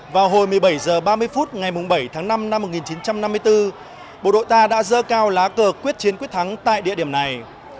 vào hồi một mươi bảy h ba mươi phút ngày bảy tháng năm năm một nghìn chín trăm năm mươi bốn bộ đội ta đã dơ cao lá cờ quyết chiến quyết thắng tại địa điểm này